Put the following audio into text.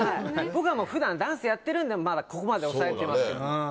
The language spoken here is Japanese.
僕は普段ダンスやってるんでまだここまで抑えてますけど。